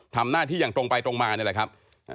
ทำหน้าที่อย่างตรงไปตรงมานี่แหละครับ